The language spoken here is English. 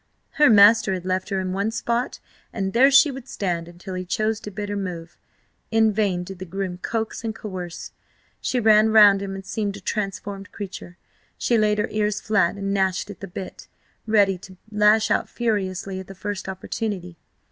Her master had left her in one spot, and there she would stand until he chose to bid her move. In vain did the groom coax and coerce. She ran round him and seemed a transformed creature. She laid her ears flat and gnashed at the bit, ready to lash out furiously at the first opportunity.